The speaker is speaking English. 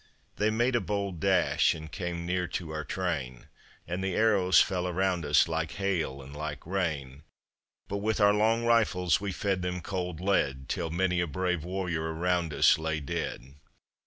They made a bold dash and came near to our train And the arrows fell around us like hail and like rain, But with our long rifles we fed them cold lead Till many a brave warrior around us lay dead.